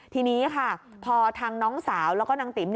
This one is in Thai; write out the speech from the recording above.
ทีนี้ค่ะพอทางน้องสาวแล้วก็นางติ๋ม